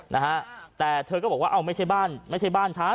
นะฮะแต่เธอก็บอกว่าเอาไม่ใช่บ้านไม่ใช่บ้านฉัน